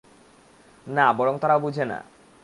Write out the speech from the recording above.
না, বরং তারা বুঝে না।